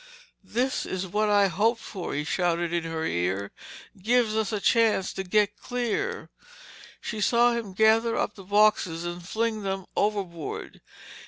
"This is what I hoped for," he shouted in her ear. "Gives us a chance to get clear." She saw him gather up the boxes and fling them overboard.